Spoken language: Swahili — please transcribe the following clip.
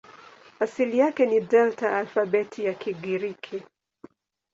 Asili yake ni Delta ya alfabeti ya Kigiriki.